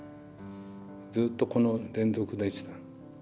ずっとこの連続でした。